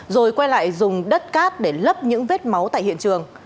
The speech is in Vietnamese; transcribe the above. rồi quay lại dùng đất cát để lấp những vết máu tại hiện trường